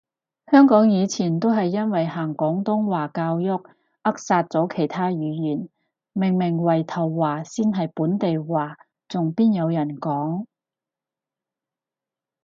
香港以前都係因為行廣東話教育扼殺咗其他語言，明明圍頭話先係本地話，仲邊有人講？